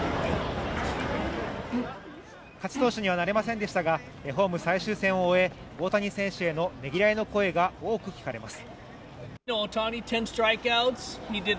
勝ち投手にはなれませんでしたがホーム最終戦を終え大谷選手へのねぎらいの声が多く聞かれます